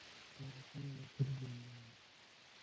دا لیکنې به تل ژوندۍ وي.